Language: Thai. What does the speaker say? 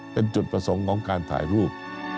เป็นจุดประสงค์ของการถ่ายรูป